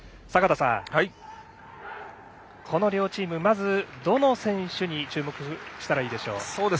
この両チーム、まずどの選手に注目したらいいでしょう？